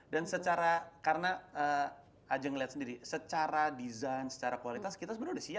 dan secara karena ajeng liat sendiri secara design secara kualitas kita sebenernya udah siap ya